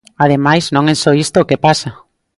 Ademais, non é só isto o que pasa.